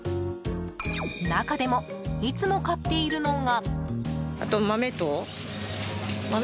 中でも、いつも買っているのが。